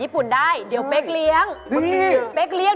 พูดไปเรื่อยอีก